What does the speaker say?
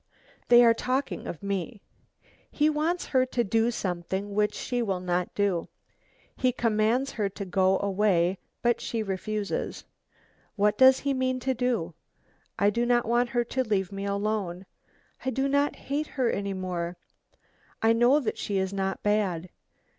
They are talking of me. He wants her to do something which she will not do. He commands her to go away, but she refuses. What does he mean to do? I do not want her to leave me alone. I do not hate her any more; I know that she is not bad.